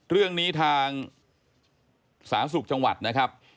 เรื่องนี้ทางสาธารณสุขจังหวัดนะครับ